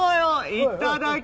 いただき！